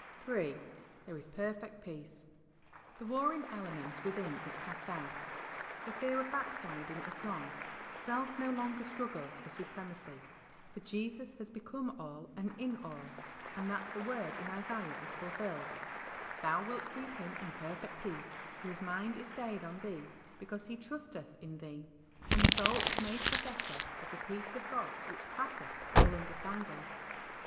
III. There is perfect peace. The warring element within is cast out, the fear of backsliding is gone, self no longer struggles for supremacy, for Jesus has become all and in all, and that word in Isaiah is fulfilled, Thou wilt keep him in perfect peace, whose mind is stayed on Thee, because he trusteth in Thee,^' and the soul is made possessor of "the peace of God which passeth all understanding.